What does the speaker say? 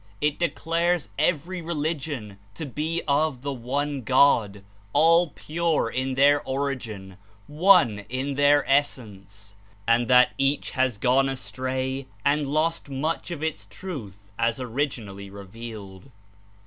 It declares every religion to be of the One God, all pure In their origin, one In their essence, and that each has gone astray and lost much of Its truth as originally revealed.